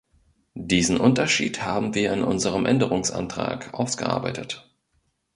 Diesen Unterschied haben wir in unserem Änderungsantrag ausgearbeitet.